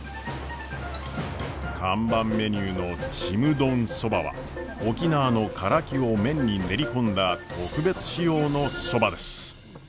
看板メニューのちむどんそばは沖縄のカラキを麺に練り込んだ特別仕様のそばです。